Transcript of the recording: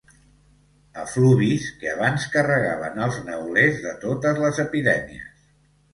Efluvis que abans carregaven els neulers de totes les epidèmies.